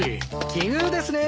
奇遇ですね。